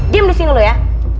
diam di sini dulu ya